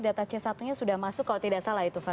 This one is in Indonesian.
data c satu nya sudah masuk kalau tidak salah itu pak